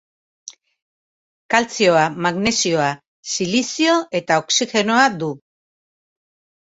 Kaltzioa, magnesioa, silizio eta oxigenoa du.